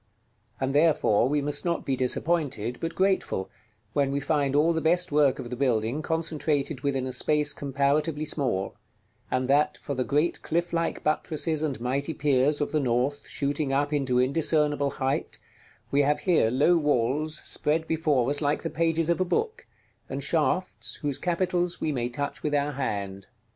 And therefore we must not be disappointed, but grateful, when we find all the best work of the building concentrated within a space comparatively small; and that, for the great cliff like buttresses and mighty piers of the North, shooting up into indiscernible height, we have here low walls spread before us like the pages of a book, and shafts whose capitals we may touch with our hand.